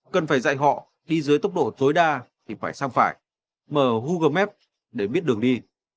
cần phải dạy họ đi dưới tốc độ tối đa thì phải sang phải mở google maps để biết đường đi